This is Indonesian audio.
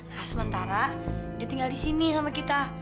nah sementara dia tinggal di sini sama kita